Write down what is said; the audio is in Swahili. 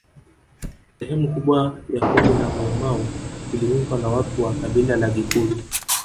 Sehemu kubwa ya kundi la Maumau iliundwa na watu wa kabila la Gikuyu